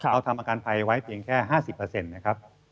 เอาทำประกันภัยเอาไว้เพียงแค่๕๐นะครับ